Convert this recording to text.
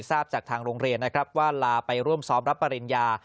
ทราบจากทางโรงเรียนนะครับว่าลาไปร่วมซ้อมรับปริญญา